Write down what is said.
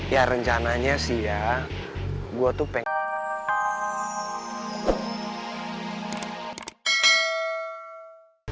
ya rencananya sih ya gue tuh pengen